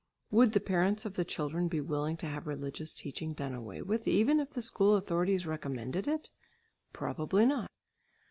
Would the parents of the children be willing to have religious teaching done away with, even if the school authorities recommended it? Probably not.